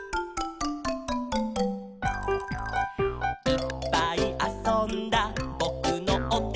「いっぱいあそんだぼくのおてて」